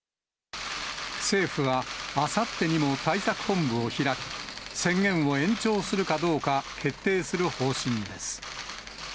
政府はあさってにも対策本部を開き、宣言を延長するかどうか決定する方針です。